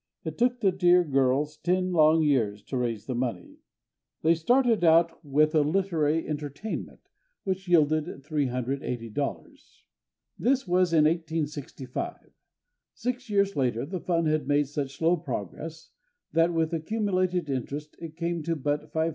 It took the dear girls ten long years to raise the money. They started out with a "literary entertainment" which yielded $380. This was in 1865. Six years later the fund had made such slow progress that, with accumulated interest, it came to but $587.